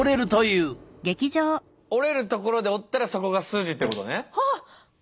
折れる所で折ったらそこがスジってことね。